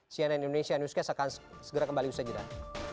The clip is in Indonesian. cnn indonesia newscast akan segera kembali bersajudan